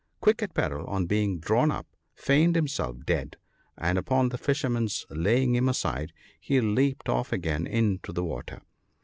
Quick at peril, on being drawn up, feigned himself dead ; and upon the fisherman's laying him aside, he leaped off again into the water.